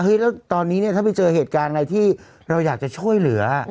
แล้วตอนนี้เนี่ยถ้าไปเจอเหตุการณ์อะไรที่เราอยากจะช่วยเหลือ